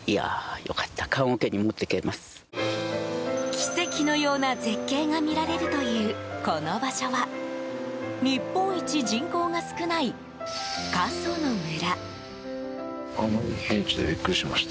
奇跡のような絶景が見られるという、この場所は日本一人口が少ない過疎の村。